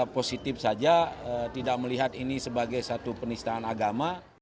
positif saja tidak melihat ini sebagai satu penistaan agama